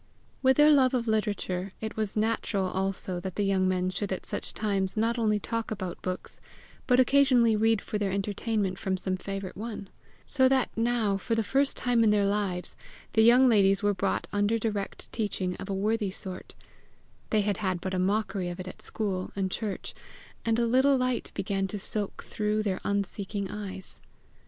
With their love of literature, it was natural also that the young men should at such times not only talk about books, but occasionally read for their entertainment from some favourite one; so that now, for the first time in their lives, the young ladies were brought under direct teaching of a worthy sort they had had but a mockery of it at school and church and a little light began to soak through their unseeking eyes.